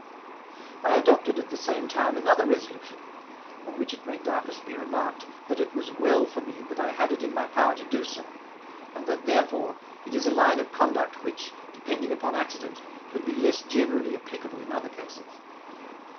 I adopted, at the same time, another resolution, on which it may doubtless be remarked, that it was well for me that I had it in my power to do so, and that, there fore, it is a line of conduct which, depending upon acci dent, can be less generally applicable in other cases.